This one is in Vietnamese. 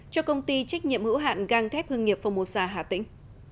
cho công ty trách nhiệm hữu hạn găng thép hương nghiệp phomosa hà tĩnh